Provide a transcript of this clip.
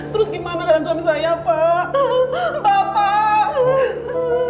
terus gimana keadaan suami saya pak bapak